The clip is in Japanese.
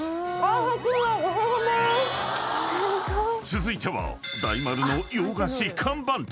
［続いては大丸の洋菓子看板店］